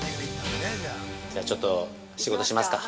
◆じゃあ、ちょっと仕事しますか。